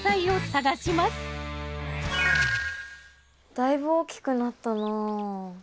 だいぶ大きくなったな。